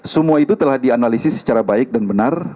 semua itu telah dianalisis secara baik dan benar